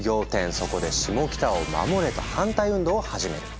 そこで「シモキタを守れ！」と反対運動を始める。